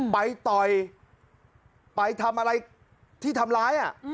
ไปต่อยไปทำอะไรที่ทำร้าย